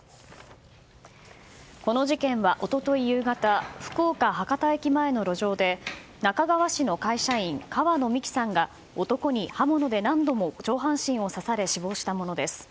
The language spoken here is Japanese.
この事件は一昨日夕方福岡・博多駅前の路上で那珂川市の会社員川野美樹さんが男に刃物で何度も上半身を刺され死亡したものです。